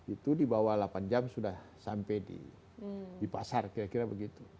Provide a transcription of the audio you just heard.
itu di bawah delapan jam sudah sampai di pasar kira kira begitu